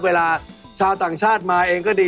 เวลาชาวต่างชาติมาเองก็ดี